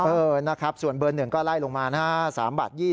เออนะครับส่วนเบอร์๑ก็ไล่ลงมานะฮะ๓บาท